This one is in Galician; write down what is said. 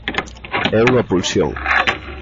É unha pulsión.